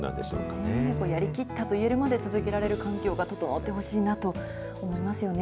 やっぱりやり切ったと言えるまで続けられる環境が整ってほしいなと思いますよね。